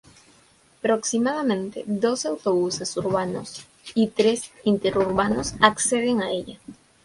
Aproximadamente doce autobuses urbanos y tres interurbanos acceden a ella.